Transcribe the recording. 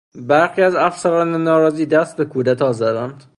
برخی از افسران ناراضی دست به کودتا زدند.